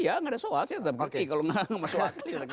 iya gak ada soal sih